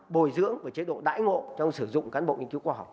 bồi dưỡng và chế độ đãi ngộ trong sử dụng cán bộ nghiên cứu khoa học